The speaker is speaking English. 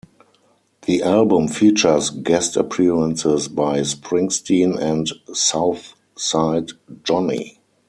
The album features guest appearances by Springsteen and Southside Johnny.